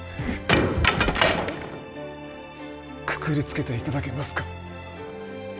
くくりつけて頂けますか？